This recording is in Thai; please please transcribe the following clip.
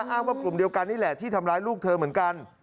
อ้างว่ากลุ่มเดียวกันนี่แหละที่ทำร้ายลูกเธอเหมือนกัน